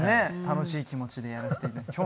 楽しい気持ちでやらせて頂き。